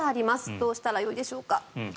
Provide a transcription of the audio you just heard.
どうしたらよいでしょうか？